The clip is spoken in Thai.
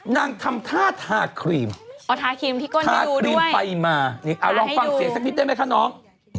นางทำท่าทาครีมทาครีมไปมาเอาลองฟังเสียงสักทีได้ไหมคะน้อง